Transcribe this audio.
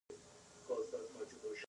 تاسي يو وار بيا سوچ وکړئ!